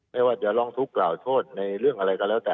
ไม่ว่าจะร้องทุกข์กล่าวโทษในเรื่องอะไรก็แล้วแต่